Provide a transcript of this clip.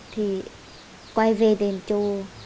thì quay về đền châu